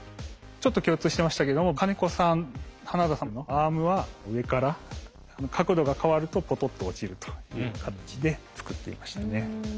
ちょっと共通してましたけども金子さん花田さんのアームは上から角度が変わるとポトッと落ちるという形で作っていましたね。